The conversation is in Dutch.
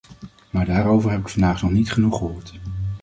Maar daarover heb ik vandaag nog niet genoeg gehoord.